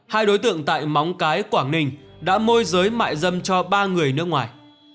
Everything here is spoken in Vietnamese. hai đối tượng tại móng cái quảng ninh đã môi giới mại dâm cho ba người nước ngoài